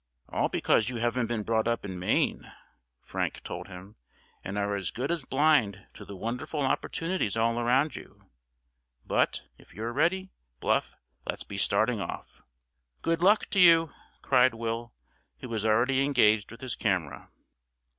"All because you haven't been brought up in Maine," Frank told him, "and are as good as blind to the wonderful opportunities all around you. But, if you're ready, Bluff, let's be starting off." "Good luck to you!" cried Will, who was already engaged with his camera.